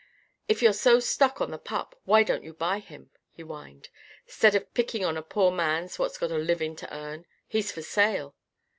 "If you're so stuck on the pup, why don't you buy him?" he whined. "'Stead of pickin' on a poor man what's got a livin' to earn? He's for sale."